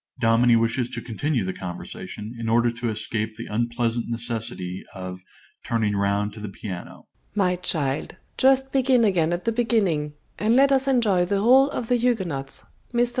(_Dominie wishes to continue the conversation, in order to escape the unpleasant necessity of "turning round to the piano."_) MRS. N. (interrupts). My child, just begin again at the beginning, and let us enjoy the whole of "The Huguenots." Mr.